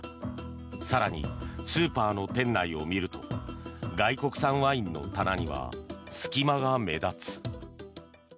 更に、スーパーの店内を見ると外国産ワインの棚には隙間が目立つ。